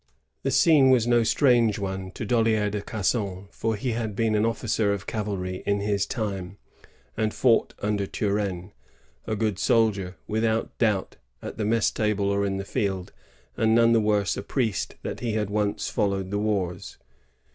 The scene was no strange one to Dollier de Casson, for he had been an officer of cavalry in his time, and fought under Turenhe;^ a good soldier, without doubt, at the mess table or in the field, and none the worse a priest that he had once followed the wars.